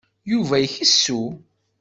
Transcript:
Yuba ikessu.